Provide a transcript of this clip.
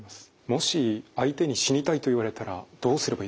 もし相手に「死にたい」と言われたらどうすればいいでしょうか？